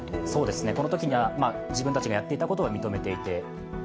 このときは自分たちがやっていたことを認めていました。